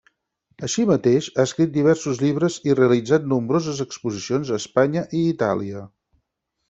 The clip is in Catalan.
Així mateix, ha escrit diversos llibres i realitzat nombroses exposicions a Espanya i Itàlia.